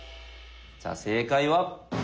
じゃあ正解は。